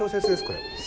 これ。